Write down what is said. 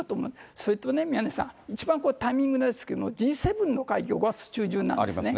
それとね、宮根さん、一番タイミングなんですけど、Ｇ７の会議、５月中旬なんですね。